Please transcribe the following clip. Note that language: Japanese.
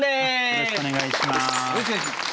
よろしくお願いします。